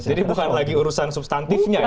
jadi bukan lagi urusan sustantifnya ya